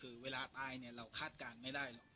คือเวลาตายเราคาดการณ์ไม่ได้